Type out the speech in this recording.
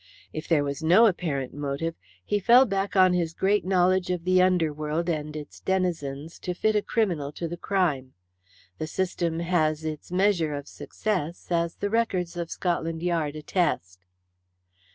If there was no apparent motive he fell back on his great knowledge of the underworld and its denizens to fit a criminal to the crime. The system has its measure of success, as the records of Scotland Yard attest.